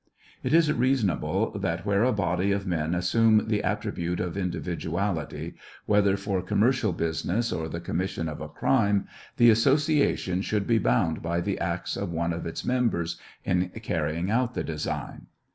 It is reasonable that where a body of men assume the attri bute of individuality, w hether for commercial business or the commission of a crime, the association should be bound by the acts of one of its members in can'yiug out the design.